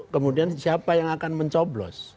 kemudian siapa yang akan mencoblos